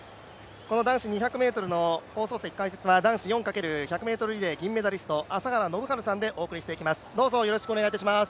この男子２００ｍの放送席解説は男子４×１００ｍリレー銀メダリスト朝原宣治さんでお送りしていきます。